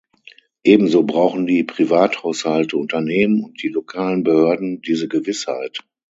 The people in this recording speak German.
Ebenso brauchen die Privathaushalte, Unternehmen und die lokalen Behörden diese Gewissheit.